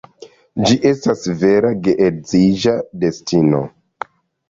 Ĝi estas vera geedziĝa destino.